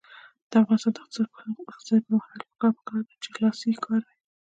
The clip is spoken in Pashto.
د افغانستان د اقتصادي پرمختګ لپاره پکار ده چې لاسي کار وي.